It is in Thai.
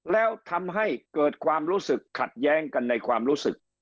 แล้วทำให้เกิดความรู้สึกขัดแย้งกันในความรู้สึก